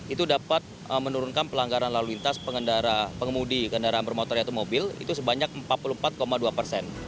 itu dapat menurunkan pelanggaran lalu lintas pengendara pengemudi kendaraan bermotor yaitu mobil itu sebanyak empat puluh empat dua persen